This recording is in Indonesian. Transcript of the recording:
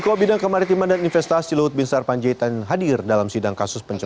dalam sidang kasus pencemaran nama baik luhut binsar panjaitan dengan terdakwa haris azhar dan fathia maulidiyanti